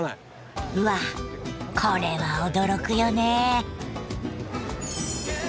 うわっこれは驚くよね。